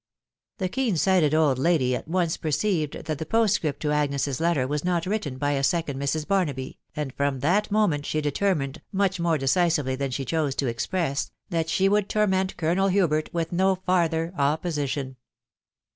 The fceen sighted old lady at one* ywwA <&»&.<&* ^wfcr THE WIDOW BABNABT. 429 script to Agnes's letter was not written by a second Mrs. Bar naby, and from that moment she determined, much more decisively than she chose to express, that she would torment Colonel Hubert with no farther opposition.